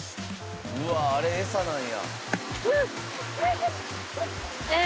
うわぁあれエサなんや。